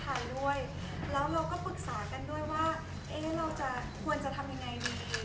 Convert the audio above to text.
แล้วเราก็ปรึกษากันด้วยว่าเราจะควรจะทำยังไงดี